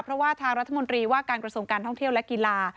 เพราะว่าทางรัฐมนตรีว่าการกระทรวงการท่องเที่ยวและกีฬา